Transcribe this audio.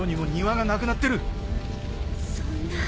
そんな。